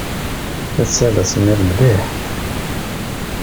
Ass-a d asemmiḍ mliḥ.